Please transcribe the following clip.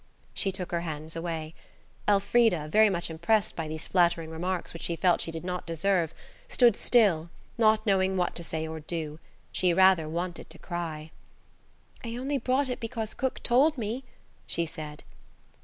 She took her hands away. Elfrida, very much impressed by these flattering remarks which she felt she did not deserve, stood still, not knowing what to say or do; she rather wanted to cry. "I only brought it because cook told me," she said.